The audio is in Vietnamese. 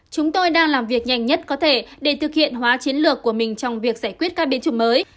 chúng tôi đang làm việc nhanh nhất có thể để thực hiện hóa chiến lược của mình trong việc giải quyết các biến chủng mới